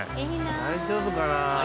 大丈夫かな。